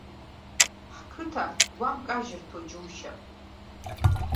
Ҳқыҭа гәамкажьырҭоу џьушьап…